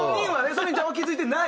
ソニンちゃんは気付いてない？